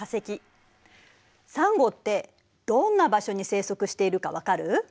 サンゴってどんな場所に生息しているかわかる？